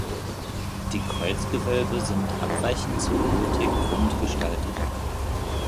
Die Kreuzgewölbe sind abweichend zur Gotik rund gestaltet.